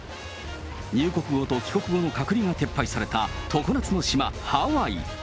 入国後と帰国後の隔離が撤廃された常夏の島、ハワイ。